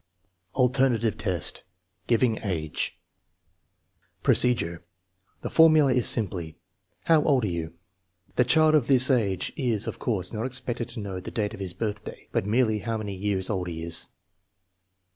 Alternative test: giving age Procedure. The formula is simply, " How old are you? " The child of this age is, of course, not expected to know the date of his birthday, but merely how many years old he is.